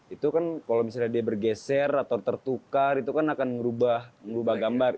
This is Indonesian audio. itu kan kalau misalnya dia bergeser atau tertukar itu kan akan mengubah gambar